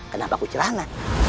kenapa aku cerana